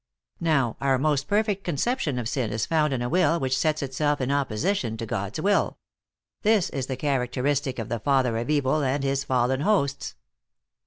Now, our most perfect conception of sin is found in a will which sets itself in opposition to God s will. This is the characteristic of the father of evil and his fallen hosts.